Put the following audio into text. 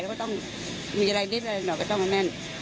เราก็ต้องมีอะไรนิดอะไรหน่อยก็ต้องแน่น